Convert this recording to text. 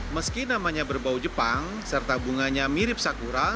meski namanya berbau jepang serta bunganya mirip sakura